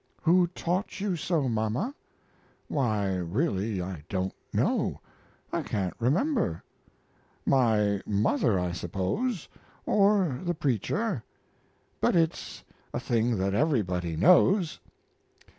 "Who taught you so, mama?" "Why, really, I don't know I can't remember. My mother, I suppose; or the preacher. But it's a thing that everybody knows."